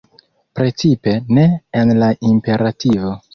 Precipe ne en la imperativo.